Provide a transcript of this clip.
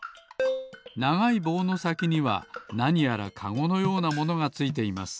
ながいぼうのさきにはなにやらカゴのようなものがついています。